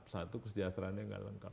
satu kesejahteraannya nggak lengkap